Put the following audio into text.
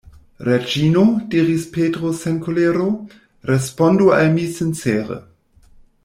Reĝino, diris Petro sen kolero, respondu al mi sincere.